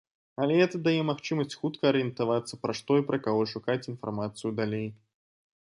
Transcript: Але гэта дае магчымасць хутка арыентавацца, пра што і пра каго шукаць інфармацыю далей.